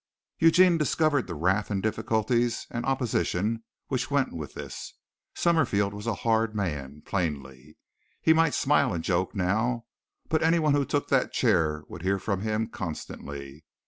Eugene discovered the wrath and difficulties and opposition which went with this. Summerfield was a hard man, plainly. He might smile and joke now, but anyone who took that chair would hear from him constantly.